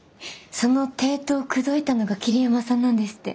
その帝都を口説いたのが桐山さんなんですって。